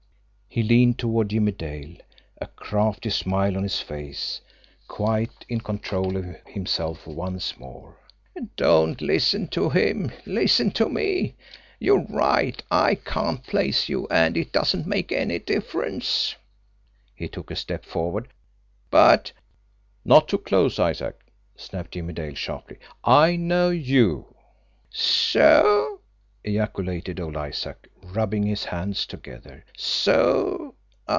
He leaned toward Jimmie Dale, a crafty smile on his face, quite in control of himself once more. "Don't listen to him listen to me. You're right. I can't place you, and it doesn't make any difference" he took a step forward "but " "Not too close, Isaac!" snapped Jimmie Dale sharply. "I know YOU!" "So!" ejaculated old Isaac, rubbing his hands together. "So!